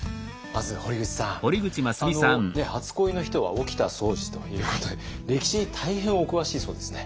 まず堀口さんあの初恋の人は沖田総司ということで歴史大変お詳しいそうですね。